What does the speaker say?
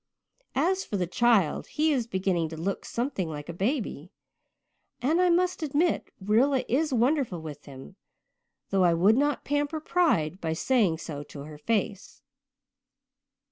As for the child, he is beginning to look something like a baby, and I must admit that Rilla is wonderful with him, though I would not pamper pride by saying so to her face.